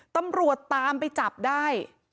ตำรวจตามไปจับได้